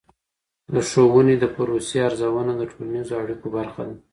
د ښووني د پروسې ارزونه د ټولنیزو اړیکو برخه ده.